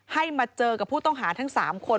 ให้มาเจอกับผู้ต้องหาทั้ง๓คน